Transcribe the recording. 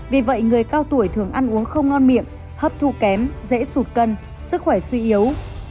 vì vậy người cao tuổi thường ăn uống không ngon miệng hấp thu kém dễ sụt cân sức khỏe suy yếu